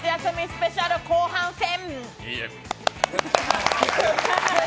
スペシャル後半戦。